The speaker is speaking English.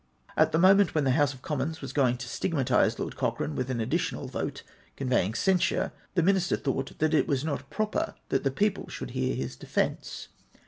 At the moment when the House of Commons was goiug to stigmatise Lord Cochrane with an additional vote conveying censure, the minister thought that it was not proper that the people should hear his defence.